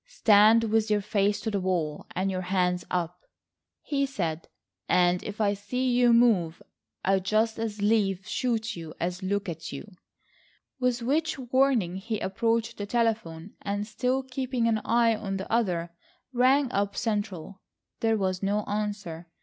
"Stand with your face to the wall and your hands up," he said; "and if I see you move I'd just as lief shoot you as look at you," with which warning he approached the telephone and, still keeping an eye on the other, rang up central. There was no answer.